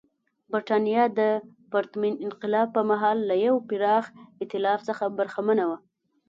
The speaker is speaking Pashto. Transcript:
برېټانیا د پرتمین انقلاب پر مهال له یوه پراخ اېتلاف څخه برخمنه وه.